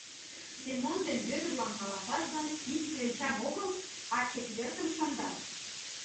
Семон ден Вӧдырлан каласаш гын, ик кленчам огыл, а четвертым шындат.